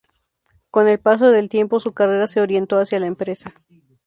Con el paso del tiempo su carrera se orientó hacia la empresa.